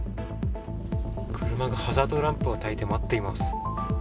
車がハザードランプをたいて待っています。